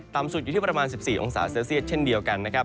สุดอยู่ที่ประมาณ๑๔องศาเซลเซียตเช่นเดียวกันนะครับ